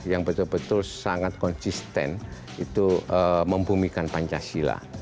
yang betul betul sangat konsisten itu membumikan pancasila